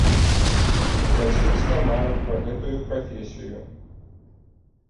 З дзяцінства марыў пра гэтую прафесію.